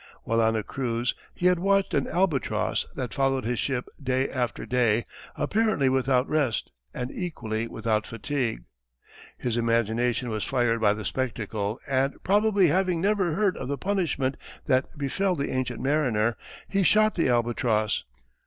While on a cruise he had watched an albatross that followed his ship day after day apparently without rest and equally without fatigue. His imagination was fired by the spectacle and probably having never heard of the punishment that befell the Ancient Mariner, he shot the albatross.